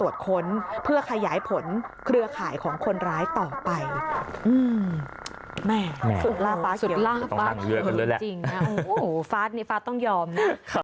จริงฟ้าต้องยอมนะ